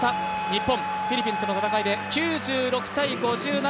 日本、フィリピンとの戦いで９６−５７